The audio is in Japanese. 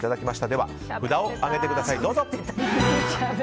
では、札を上げてくださいどうぞ。